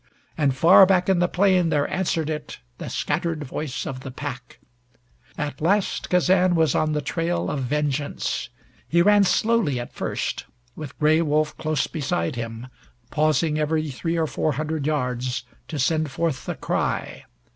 And far back in the plain there answered it the scattered voice of the pack. At last Kazan was on the trail of vengeance. He ran slowly at first, with Gray Wolf close beside him, pausing every three or four hundred yards to send forth the cry.